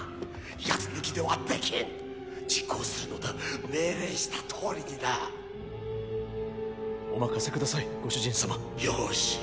ヤツ抜きではできん実行するのだ命令したとおりになお任せくださいご主人様よし